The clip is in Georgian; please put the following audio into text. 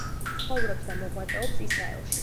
ცხოვრობს და მოღვაწეობს ისრაელში.